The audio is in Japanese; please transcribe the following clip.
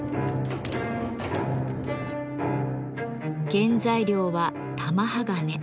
原材料は玉鋼。